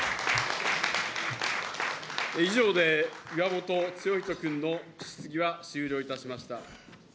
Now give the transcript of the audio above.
以上で岩本剛人君の質疑は終了いたしました。